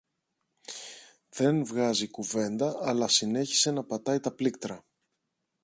δεν βγάζει κουβέντα αλλά συνέχισε να πατάει τα πλήκτρα